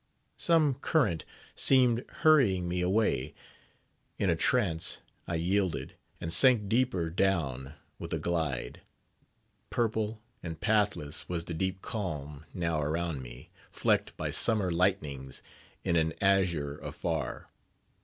Some current seemed hurrying me away; in a trance I yielded, and sank deeper down with a glide. Purple and pathless was the deep calm now around me, flecked by summer lightnings in an azure afar.